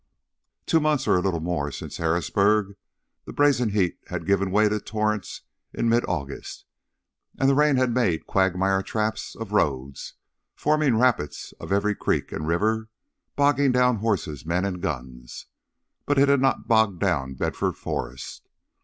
Two months or a little more since Harrisburg. The brazen heat had given way to torrents in mid August, and the rain had made quagmire traps of roads, forming rapids of every creek and river bogging down horses, men, and guns. But it had not bogged down Bedford Forrest.